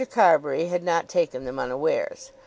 Carbury had not taken them unawares.